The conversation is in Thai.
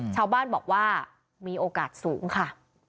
ชาวบ้านบอกว่ามีโอกาสสูงค่ะ